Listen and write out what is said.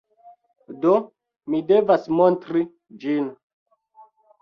Do, mi devas montri ĝin.